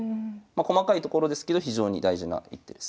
細かいところですけど非常に大事な一手です。